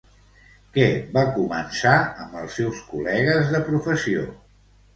Què va començar amb els seus col·legues de professió?